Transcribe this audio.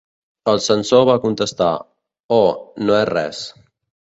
El censor va contestar: Oh, no és res.